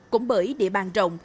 cũng bởi địa bàn rộng